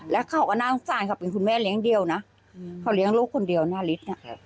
แล้วเขาก็น่าสงสารเขาเป็นคุณแม่เลี้ยงเดี่ยวนะเขาเลี้ยงลูกคนเดียวนาริส